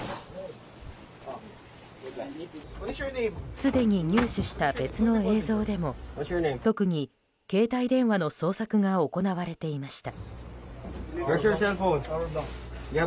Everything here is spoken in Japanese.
すでに入手した別の映像でも特に携帯電話の捜索が行われていました。